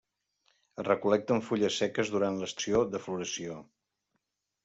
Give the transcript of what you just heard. Es recol·lecten les fulles seques durant l'estació de floració.